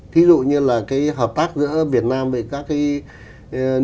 thí dụ như là cái hợp tác giữa việt nam với các cái nước trong liên minh